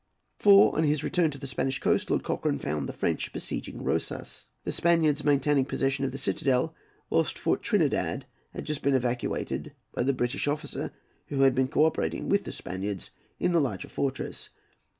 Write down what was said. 4. On his return to the Spanish coast, Lord Cochrane found the French besieging Rosas, the Spaniards maintaining possession of the citadel, whilst Fort Trinidad had just been evacuated by the British officer who had been co operating with the Spaniards in the larger fortress.